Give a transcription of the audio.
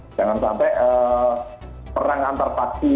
makanya kavori harus mencari kakori yang lebih luas di antar paksi